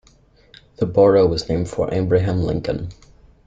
The borough was named for Abraham Lincoln.